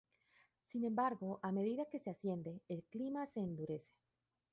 Sin embargo, a medida que se asciende, el clima se endurece.